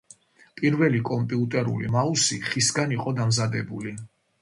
პირველი კომპიუტერული მაუსი ხისგან იყო დამზადებული.